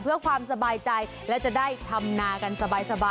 เพื่อความสบายใจและจะได้ทำนากันสบาย